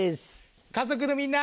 家族のみんな！